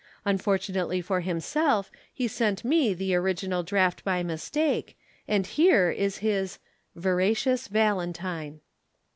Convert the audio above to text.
Unfortunately for himself he sent me the original draft by mistake and here is his VERACIOUS VALENTINE.